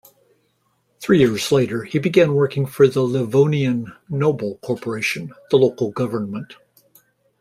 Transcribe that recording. Three years later he began working for the Livonian Noble Corporation, the local government.